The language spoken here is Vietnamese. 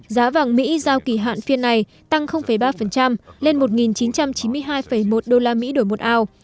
giá vàng mỹ giao kỳ hạn phiên này tăng ba lên một chín trăm chín mươi hai một usd đổi một ảo